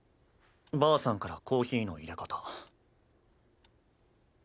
ばあさんからコーヒーのいれ方。